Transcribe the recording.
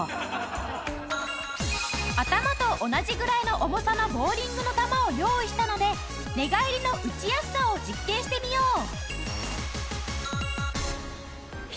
頭と同じぐらいの重さのボウリングの球を用意したので寝返りのうちやすさを実験してみよう。